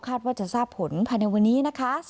ว่าจะทราบผลภายในวันนี้นะคะ